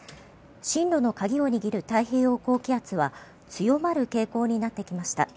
進路の鍵を握る太平洋高気圧は強まる傾向になってきました。